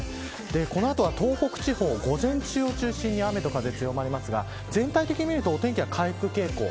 この後は、東北地方午前中を中心に雨と風が強まりますが全体的に見るとお天気は回復傾向。